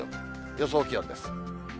予想気温です。